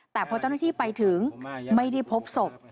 แต่พอเจ้าหน้าที่ไปถึงไม่ได้พบศพ